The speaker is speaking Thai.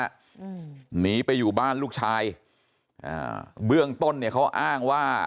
อืมหนีไปอยู่บ้านลูกชายอ่าเบื้องต้นเนี้ยเขาอ้างว่า